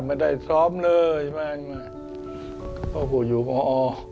แล้วนี่ทำงานยังทำงาน